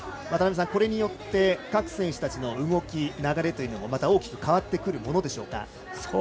渡辺さん、これによって各選手たちの動き、流れはまた大きく変わってくるものでしょうか。